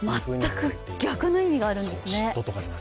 全く逆の意味があるんですね。